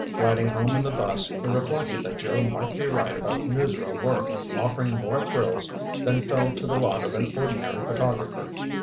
Riding home in the bus, he reflected that Joe might be right about newsreel work offering more thrills than fell to the lot of an ordinary photographer.